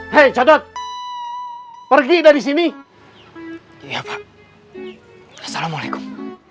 hai catat pergi dari sini ya pak assalamualaikum